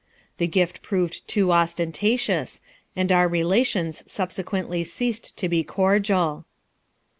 The gift proved too ostentatious and our relations subsequently ceased to be cordial.